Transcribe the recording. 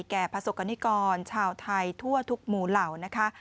ประสบกรณิกรชาวไทยทั่วทุกหมู่เหล่านะคะ